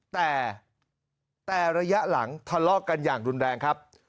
แต่แต่ระยะหลังทะเลาะกันอย่างรุนแรงครับ